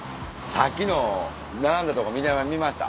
さっきの並んだとこ見ました？